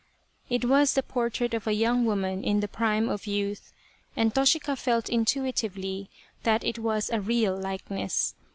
It was the portrait of a young woman in the prime of youth, and Toshika felt intuitively that it was a real likeness.